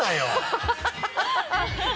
ハハハ